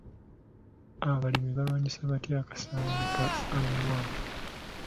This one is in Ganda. Abalimi balwanyisa batya Akasaanyi ka armyworm?